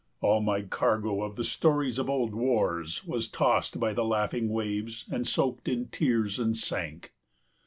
All my cargo of the stories of old wars was tossed by the laughing waves and soaked in tears and sank.